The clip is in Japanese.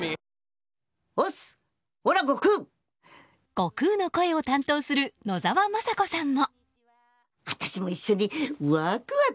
悟空の声を担当する野沢雅子さんも。